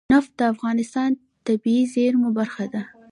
نفت د افغانستان د طبیعي زیرمو برخه ده.